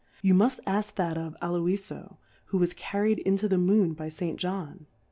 You muil: ask that oi A'lolfo^ who was carri ed into the Moon by St. "Johii.